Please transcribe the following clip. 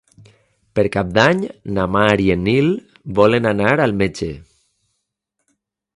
Per Cap d'Any na Mar i en Nil volen anar al metge.